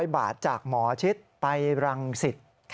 ๐บาทจากหมอชิดไปรังสิต